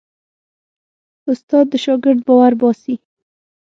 استاد د شاګرد باور باسي.